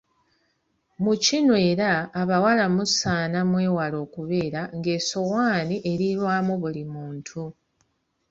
Mu kino era abawala musaana mwewalae okubeera ng'essowaani erirwamu buli muntu.